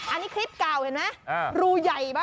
อันนี้คลิปเก่าเห็นไหมรูใหญ่ป่ะ